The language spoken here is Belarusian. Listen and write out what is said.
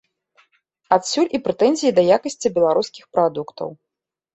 Адсюль і прэтэнзіі да якасці беларускіх прадуктаў.